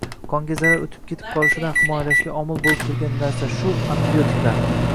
qonga zarar o‘tib ketib qolishidan himoyalashga omil bo‘lib turgan narsa shu — antibiotiklar.